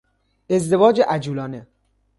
ازدواج عجولانه